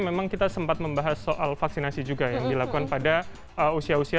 memang kita sempat membahas soal vaksinasi juga yang dilakukan pada usia usia